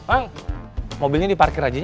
eng mobilnya diparkir aja nek